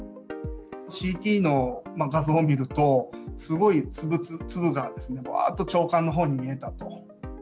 ＣＴの画像を見ると、すごい粒がわーっと腸管のほうに見えたと。